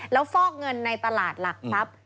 แล้วฟอกเงินในตลาดหลักทรัพย์